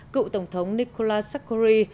cựu tổng thống nicolas sarkozy